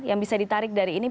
yang menarik dari ini